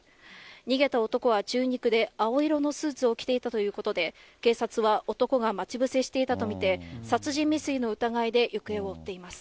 逃げた男は中肉で、青色のスーツを着ていたということで、警察は男が待ち伏せしていたと見て、殺人未遂の疑いで行方を追っています。